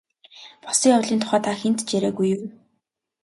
Болсон явдлын тухай та хэнд ч яриагүй юу?